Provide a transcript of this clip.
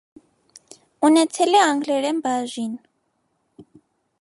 Ունեցել է անգլերեն բաժին։